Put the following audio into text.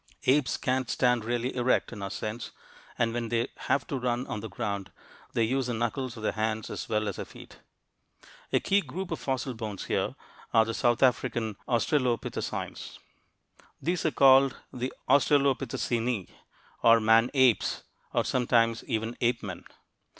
Apes can't stand really erect in our sense, and when they have to run on the ground, they use the knuckles of their hands as well as their feet. A key group of fossil bones here are the south African australopithecines. These are called the Australopithecinae or "man apes" or sometimes even "ape men."